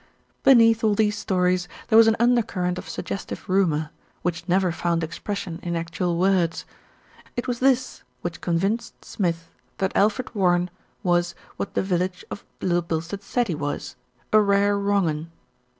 Beneath all these stories, there was an undercurrent of suggestive rumour, which never found expression in actual words. It was this which convinced Smith that Alfred Warren was what the village of Little Bilstead said he was, "a rare wrong un."